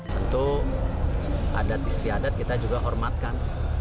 tentu adat istiadat kita juga hormatkan